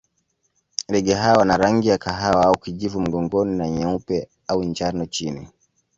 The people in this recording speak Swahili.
Ndege hawa wana rangi ya kahawa au kijivu mgongoni na nyeupe au njano chini.